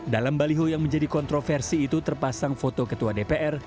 dalam baliho yang menjadi kontroversi itu terpasang foto ketua dpr